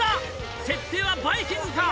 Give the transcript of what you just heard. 設定はバイキングか？